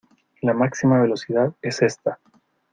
La máxima velocidad es esta.